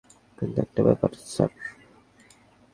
কিন্তু একটা ব্যাপার, স্যার।